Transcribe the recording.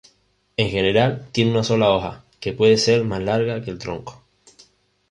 En general, tiene una sola hoja que puede ser más larga que el tronco.